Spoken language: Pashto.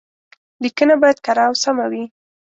ليکنه بايد کره او سمه وي.